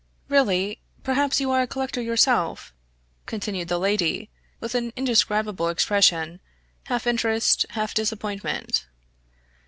"Really! Perhaps you are a collector yourself?" continued the lady, with an indescribable expression, half interest, half disappointment.